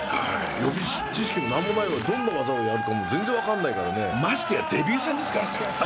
予備知識も何もないどんな技をやるかも全然分かんないからねデビュー戦なんですか！？